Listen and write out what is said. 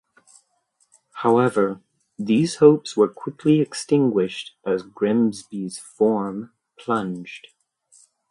However, these hopes were quickly extinguished as Grimsby's form plunged.